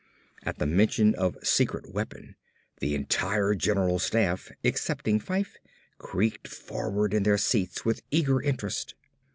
At the mention of "secret weapon," the entire General Staff, excepting Fyfe, creaked forward in their seats with eager interest.